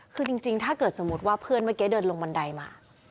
คือจริงถ้าเกิดสมมุติว่าเพื่อนเมื่อกี้เดินลงบันไดมา